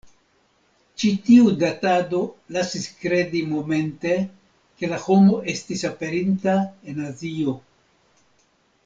Ĉi tiu datado lasis kredi momente, ke la homo estis aperinta en Azio.